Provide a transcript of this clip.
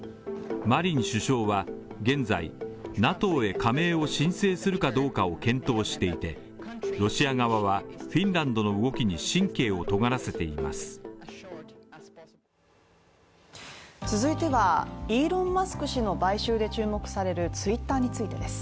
現在、ＮＡＴＯへ加盟を申請するかどうかを検討していて、ロシア側はフィンランドの動きに神経を尖らせています続いてはイーロン・マスク氏の買収で注目されるＴｗｉｔｔｅｒについてです。